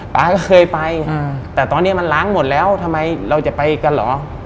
เคยไปแต่ตอนนี้มันล้างหมดแล้วทำไมเราจะไปกันเหรอ